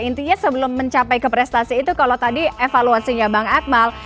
intinya sebelum mencapai ke prestasi itu kalau tadi evaluasinya bang akmal